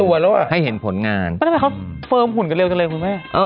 เพราะฉะนั้นเขาเฟิร์มหุ่นกันเร็วหรือไม่